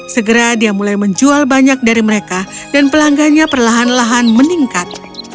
segera dia mulai menjual banyak dari mereka dan pelanggannya perlahan lahan meningkat